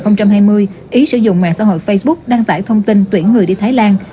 năm hai nghìn hai mươi ý sử dụng mạng xã hội facebook đăng tải thông tin tuyển người đi thái lan